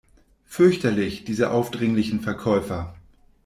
Fürchterlich, diese aufdringlichen Verkäufer!